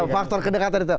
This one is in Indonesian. faktor kedekatan itu